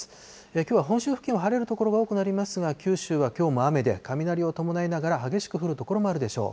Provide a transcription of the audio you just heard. きょうは本州付近は晴れる所が多くなりますが、九州はきょうも雨で、雷を伴いながら激しく降る所もあるでしょう。